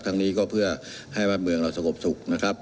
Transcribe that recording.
ครั้งนี้ก็เพื่อให้บ้านเมืองเราสงบสุขนะครับ